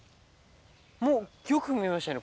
もうよく見えましたね